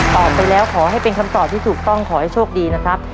ไปแล้วขอให้เป็นคำตอบที่ถูกต้องขอให้โชคดีนะครับ